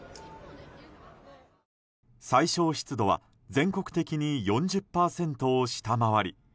最小湿度は全国的に４０％を下回り